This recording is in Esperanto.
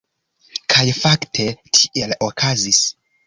Kaj fakte tiel okazis.